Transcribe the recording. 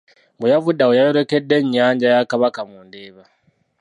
Bwe yavudde awo yayolekedde ennyanja ya Kabaka mu Ndeeba.